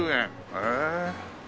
へえ。